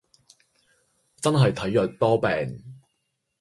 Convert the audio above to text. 真係體弱多病